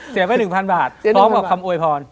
ไป๑๐๐บาทพร้อมกับคำอวยพร